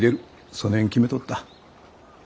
そねん決めとった。